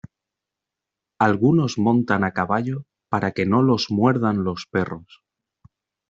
Algunos montan a caballo para que no los muerdan los perros.